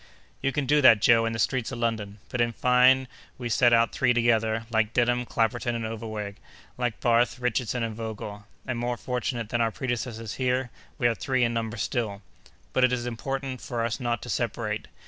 "You can do that, Joe, in the streets of London, but in fine we set out three together, like Denham, Clapperton, and Overweg; like Barth, Richardson, and Vogel, and, more fortunate than our predecessors here, we are three in number still. But it is most important for us not to separate.